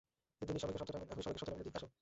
এখনি সবাইকে সত্যটা বলে দেই, আসো।